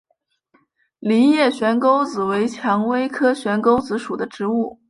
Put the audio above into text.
梨叶悬钩子为蔷薇科悬钩子属的植物。